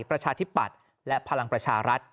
ประชาธิปัตย์และพลังประชารัฐ